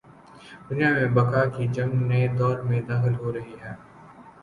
دنیا میں بقا کی جنگ نئے دور میں داخل ہو رہی ہے۔